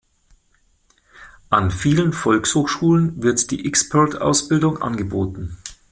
An vielen Volkshochschulen wird die Xpert-Ausbildung angeboten.